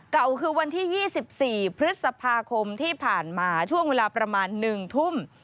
เก่าคือวันที่๒๔พฤษภาคมที่ผ่านมาช่วงเวลาประมาณ๑ทุ่ม